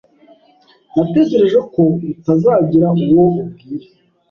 Natekereje ko utazagira uwo ubwira.